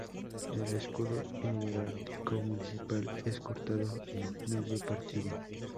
El escudo heráldico municipal es cortado y medio partido.